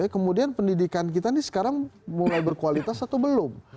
kemudian pendidikan kita ini sekarang mulai berkualitas atau belum